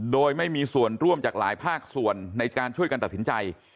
โดยไม่มีส่วนร่วมจากหลายภาคส่วนในการช่วยกันตัดสินใจ